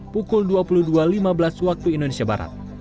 pukul dua puluh dua lima belas waktu indonesia barat